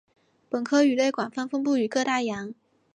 本科鱼类广泛分布于各大洋。